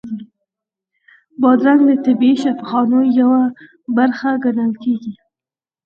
بادرنګ له طبیعي شفاخانو یوه برخه ګڼل کېږي.